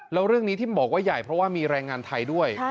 แล้วเรื่องนี้ที่บอกว่าใหญ่เพราะว่ามีแรงงานไทยด้วย